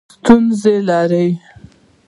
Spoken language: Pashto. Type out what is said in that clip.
ستونزې لرئ؟